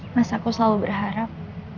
mas aku selalu berharap